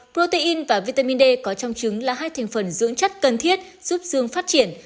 protein và vitamin d có trong trứng là hai thành phần dưỡng chất cần thiết giúp xương phát triển